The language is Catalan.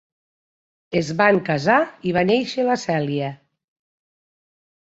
Es van casar i va néixer la Celia.